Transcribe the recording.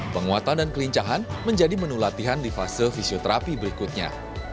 penguatan dan kelincahan menjadi menu latihan di fase fisioterapi berikutnya